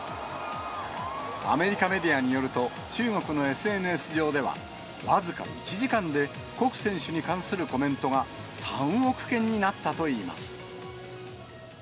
アメリカメディアによると、中国のＳＮＳ上では、僅か１時間で谷選手に関するコメントが３億件になったといいます。